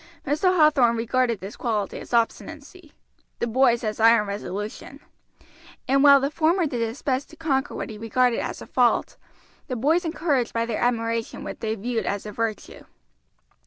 Mr. Hathorn regarded this quality as obstinacy, the boys as iron resolution; and while the former did his best to conquer what he regarded as a fault, the boys encouraged by their admiration what they viewed as a virtue.